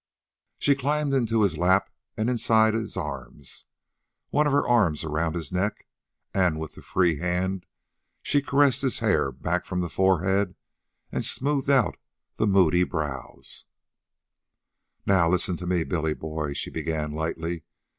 She climbed into his lap and inside his arms, one of her arms around his neck, and with the free hand she caressed his hair back from the forehead and smoothed out the moody brows. "Now listen to me, Billy Boy," she began lightly.